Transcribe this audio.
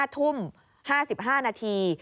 ๕ทุ่ม๕๕นาที